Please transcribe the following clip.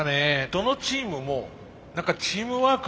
どのチームも何かチームワークがすごい。